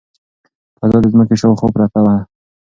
فضا د ځمکې شاوخوا پرته ده.